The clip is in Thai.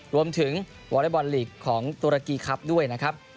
วอเล็กบอลลีกของตุรกีครับด้วยนะครับ